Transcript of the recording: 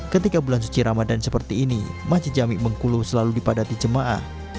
ketika bulan suci ramadan seperti ini masjid jami bengkulu selalu dipadati jemaah